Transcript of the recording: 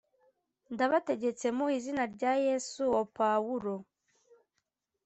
Ndabategetse mu izina rya Yesu uwo Pawulo